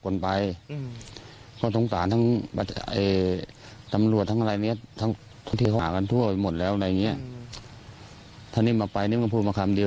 ความผิดถ้าเราทำผิดเราก็ต้องยอมรับผิด